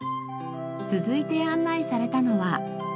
続いて案内されたのは。